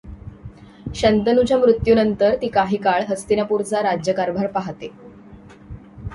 शंतनूच्या मृत्यूनंतर ती काही काळ हस्तिनापूरचा राजकारभार पाहते.